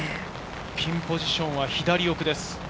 ピンポジションは左奥です。